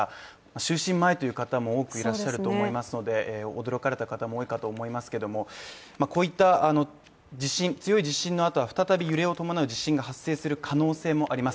就寝前という方も多くいらっしゃると思いますので驚かれた方も多いと思いますけれどもこういった強い地震の後は再び、揺れを伴う地震が発生する可能性もあります。